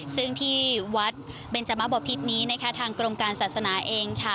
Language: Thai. ซึ่งที่วัดเบนจมะบพิษนี้นะคะทางกรมการศาสนาเองค่ะ